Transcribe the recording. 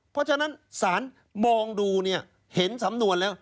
เพราะฉะนั้นศาลมองดูเนี่ยเห็นสำนวนแล้ว